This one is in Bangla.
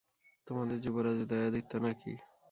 তােমাদের যুবরাজ উদয়াদিত্য না কি?